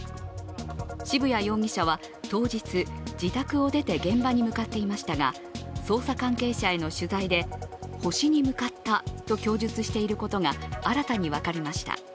渋谷容疑者は当日、自宅を出て現場に向かっていましたが捜査関係者への取材で星に向かったと供述していることが新たに分かりました。